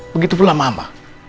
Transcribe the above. begitu pula mama